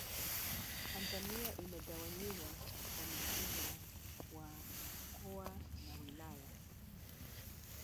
Tanzania imegawanywa kwa mfumo wa mkoa na wilaya